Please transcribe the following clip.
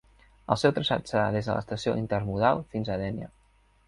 El seu traçat serà des de l'Estació Intermodal fins a Dénia.